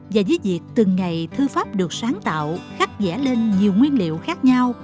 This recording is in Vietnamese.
và với việc từng ngày thư pháp được sáng tạo khắc dẻ lên nhiều nguyên liệu khác nhau